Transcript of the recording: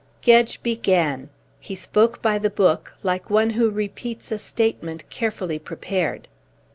Gedge began. He spoke by the book, like one who repeats a statement carefully prepared.